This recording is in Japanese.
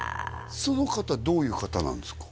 その方どういう方なんですか？